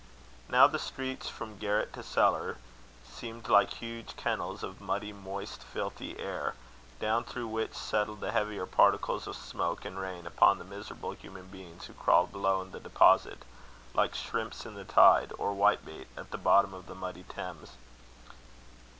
Now the streets, from garret to cellar, seemed like huge kennels of muddy, moist, filthy air, down through which settled the heavier particles of smoke and rain upon the miserable human beings who crawled below in the deposit, like shrimps in the tide, or whitebait at the bottom of the muddy Thames.